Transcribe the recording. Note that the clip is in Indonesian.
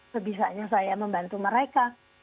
sebisanya saya membantu mereka